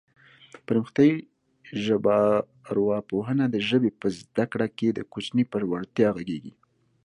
پرمختیایي ژبارواپوهنه د ژبې په زده کړه کې د کوچني پر وړتیا غږېږي